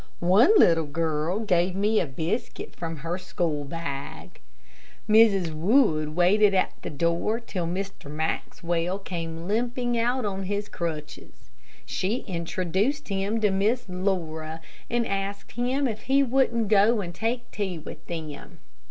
One little girl gave me a biscuit from her school bag. Mrs. Wood waited at the door till Mr. Maxwell came limping out on his crutches. She introduced him to Miss Laura, and asked him if he wouldn't go and take tea with them.